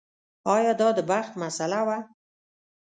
ایا دا د بخت مسئله وه.